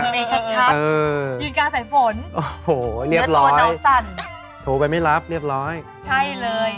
มีชัดยืนกลางใส่ฝน